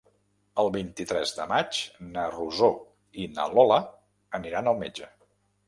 El vint-i-tres de maig na Rosó i na Lola aniran al metge.